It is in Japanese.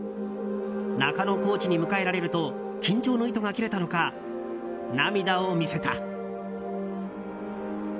中野コーチに迎えられると緊張の糸が切れたのか涙を見せた。